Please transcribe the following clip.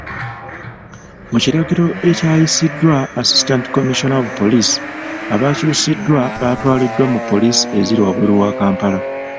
Mu kiragiro ekyayisiddwa Assistant Commissioner of Police, abakyusiddwa batwaliddwa mu Poliisi eziri wabweru wa Kampala.